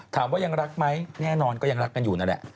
ยังรักไหมแน่นอนก็ยังรักกันอยู่นั่นแหละ